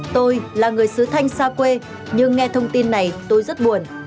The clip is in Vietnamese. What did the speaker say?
tôi là người sứ thanh xa quê nhưng nghe thông tin này tôi rất buồn